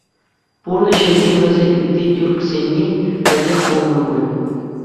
Пурнӑҫ йӗрки вӗсен ытти тӳрксенни пекех пулнӑ пуль?